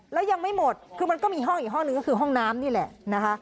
แล้วยังไม่หมดคือมันก็มีห้องอีกห้องหนึ่งก็คือห้องน้ำนี่แหละนะคะ